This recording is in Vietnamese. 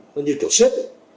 nó như kiểu xếp đấy